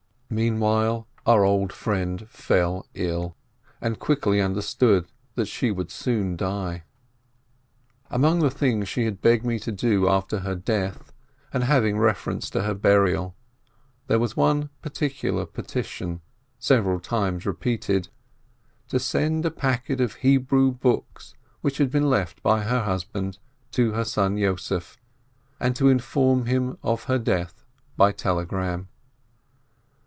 Meanwhile our old friend fell ill, and quickly under stood that she would soon die. Among the things she begged me to do after her death and having reference to her burial, there was one particular petition several times repeated: to send a packet of Hebrew books, which had been left by her husband, to her son Yossef, and to inform him of her death by telegram.